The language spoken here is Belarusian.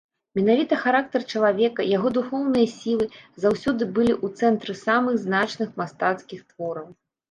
Менавіта характар чалавека, яго духоўныя сілы заўсёды былі ў цэнтры самых значных мастацкіх твораў.